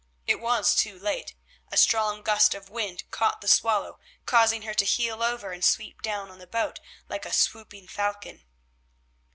It was too late; a strong gust of wind caught the Swallow, causing her to heel over and sweep down on the boat like a swooping falcon.